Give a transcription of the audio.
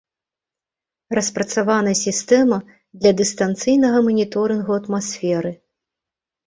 Распрацавана сістэма для дыстанцыйнага маніторынгу атмасферы.